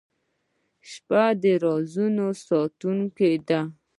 • شپه د رازونو ساتونکې ده.